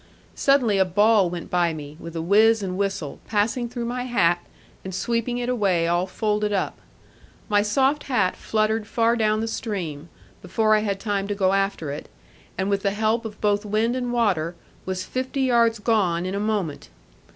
Suddenly a ball went by me, with a whizz and whistle, passing through my hat and sweeping it away all folded up. My soft hat fluttered far down the stream, before I had time to go after it, and with the help of both wind and water, was fifty yards gone in a moment.